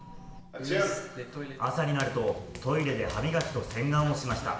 朝になると、トイレで歯磨きと洗顔をしました。